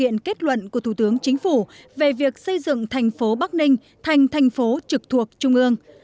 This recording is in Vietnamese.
chủ tịch quốc hội nhấn mạnh quốc hội ủng hộ thủ tướng chính phủ về việc xây dựng thành phố bắc ninh thành thành phố trực thuộc trung ương